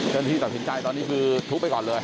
ที่ตัดสินใจตอนนี้คือทุบไปก่อนเลย